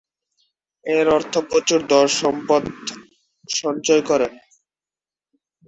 এর অর্থ প্রচুর ধন-সম্পদ সঞ্চয় করা।